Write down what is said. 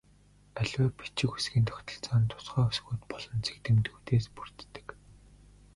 Аливаа бичиг үсгийн тогтолцоо нь тусгай үсгүүд болон цэг тэмдэгтүүдээс бүрддэг.